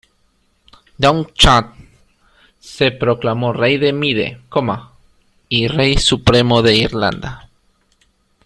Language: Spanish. Donnchad se proclamó rey de Mide, y rey supremo de Irlanda.